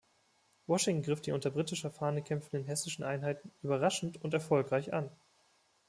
Washington griff die unter britischer Fahne kämpfenden hessischen Einheiten überraschend und erfolgreich an.